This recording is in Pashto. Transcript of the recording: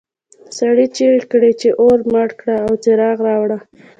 سړي چیغې کړې چې اور مړ کړه او څراغ راوړه.